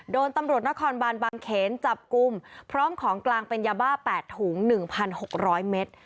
โดนตำรวจนครบานบางเขนจับกลุ่มพร้อมของกลางเป็นยาบ้า๘ถุง๑๖๐๐เมตร